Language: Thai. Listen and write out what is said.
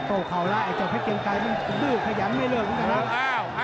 โต้เขาละเจ้าเพชรเกงไกมันดึสอยากจะขยับหน่อยนะ